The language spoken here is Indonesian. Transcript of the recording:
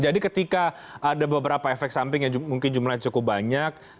jadi ketika ada beberapa efek samping yang mungkin jumlahnya cukup banyak